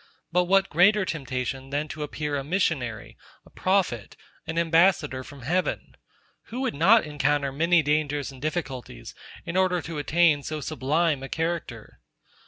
But what greater temptation than to appear a missionary, a prophet, an ambassador from heaven? Who would not encounter many dangers and difficulties, in order to attain so sublime a character?